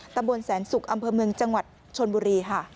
ตำบลแสนศุกร์อำเภอเมืองจังหวัดชนบุรีค่ะ